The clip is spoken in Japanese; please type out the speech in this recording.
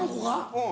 うん。